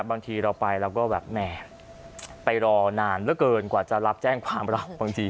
บางทีเราไปเราก็แบบแหมไปรอนานเหลือเกินกว่าจะรับแจ้งความเราบางที